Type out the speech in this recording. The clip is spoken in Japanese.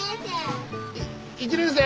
１年生？